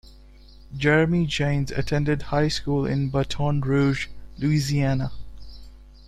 Jeremy Jaynes attended high school in Baton Rouge, Louisiana.